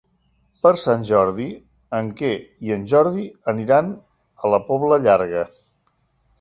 Per Sant Jordi en Quer i en Jordi aniran a la Pobla Llarga.